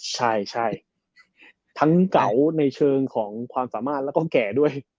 ใช่ทั้งเก๋าในเชิงของความสามารถแล้วก็แก่ด้วย